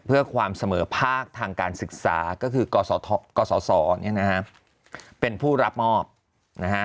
เพื่อความเสมอภาคทางการศึกษาก็คือกศเนี่ยนะฮะเป็นผู้รับมอบนะฮะ